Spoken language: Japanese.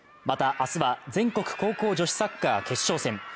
また、明日は全国高校女子サッカー決勝戦。